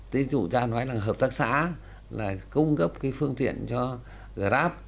tí dụ ra nói là hợp tác xã là cung cấp cái phương tiện cho gà áp